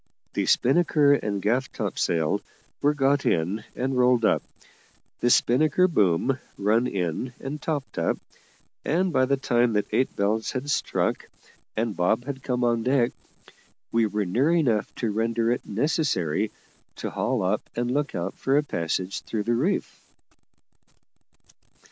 The spinnaker and gaff topsail were got in and rolled up, the spinnaker boom run in and topped up, and by the time that eight bells had struck, and Bob had come on deck, we were near enough to render it necessary to haul up and look out for a passage through the reef.